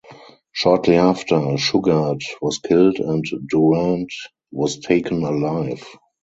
Shortly after, Shughart was killed and Durant was taken alive.